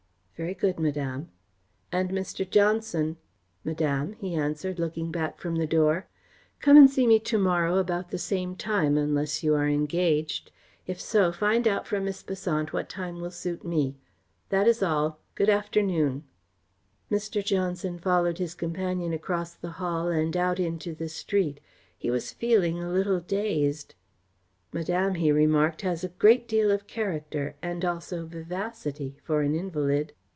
"Very good, Madame." "And Mr. Johnson!" "Madame," he answered, looking back from the door. "Come and see me to morrow about the same time, unless you are engaged. If so, find out from Miss Besant what time will suit me. That is all. Good afternoon." Mr. Johnson followed his companion across the hall and out into the street. He was feeling a little dazed. "Madame," he remarked, "has a great deal of character, and also vivacity, for an invalid."